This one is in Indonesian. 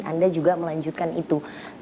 anda juga melanjutkan itu